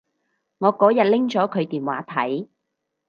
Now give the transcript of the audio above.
我嗰日拎咗佢電話睇